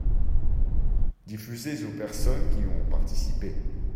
Diffuser aux personnes qui ont participé.